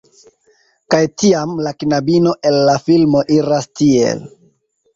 Kaj tiam, la knabino el la filmo iras tiel: